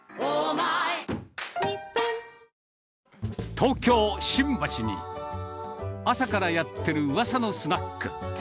東京・新橋に朝からやってるうわさのスナック。